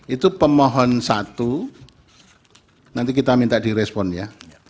itu pemohon satu nanti kita minta direspon ya